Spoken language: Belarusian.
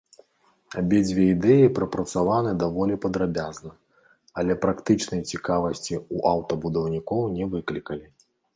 Абедзве ідэі прапрацаваны даволі падрабязна, але практычнай цікавасці ў аўтабудаўнікоў не выклікалі.